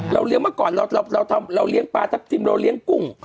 เราเลี้ยงมาก่อนเราทำเราเลี้ยงปลาทับทิมเราเลี้ยงกุ้ง